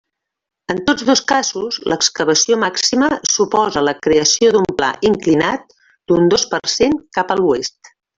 En tots dos casos, l'excavació màxima suposa la creació d'un pla inclinat d'un dos per cent cap a l'oest.